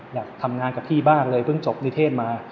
อยากทำงานกับพี่บ้างเลยเพิ่งจบนิเทศมา